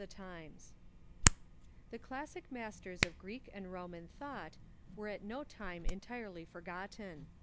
] The classic iirasters of Greek and Roman thought were at no time entirely forgotten.